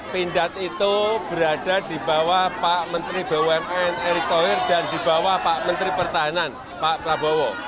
pindad itu berada di bawah pak menteri bumn erick thohir dan di bawah pak menteri pertahanan pak prabowo